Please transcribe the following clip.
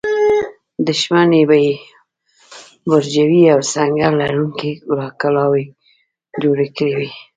دښمن به یې برجورې او سنګر لرونکې کلاوې جوړې کړې وي.